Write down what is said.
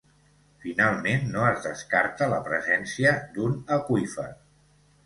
Finalment, no es descarta la presència d’un aqüífer.